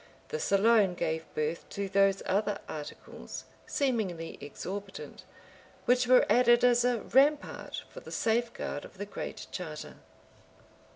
This alone gave birth to those other articles, seemingly exorbitant, which were added as a rampart for the safeguard of the Great Charter.